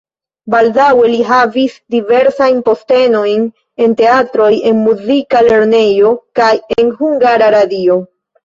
Baldaŭe li havis diversajn postenojn en teatroj, en muzika lernejo kaj en Hungara Radio.